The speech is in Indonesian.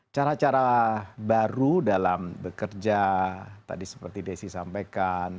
cara cara baru dalam bekerja tadi seperti desi sampaikan